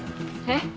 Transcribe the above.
えっ。